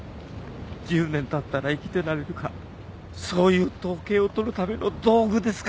１０年たったら生きてられるかそういう統計を取るための道具ですか？